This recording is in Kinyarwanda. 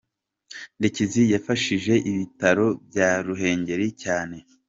Ndekezi yafashije ibitaro bya Ruhengeli cyane.